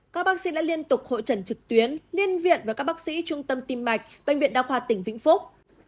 các bác sĩ đã liên tục hội trần trực tuyến liên viện và các bác sĩ trung tâm tim mạch bệnh viện đa khoa tỉnh vĩnh phúc